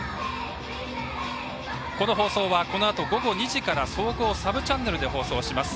この放送はこのあと午後２時から総合サブチャンネルで放送します。